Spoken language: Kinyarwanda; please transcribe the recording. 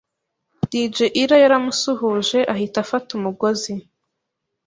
Dj ira yaramusuhuje, ahita afata umugozi